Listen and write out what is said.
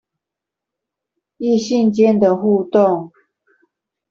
異性間的互動